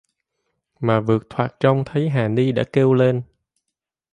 Mà vượt thoạt trông thấy hà ni đã kêu lên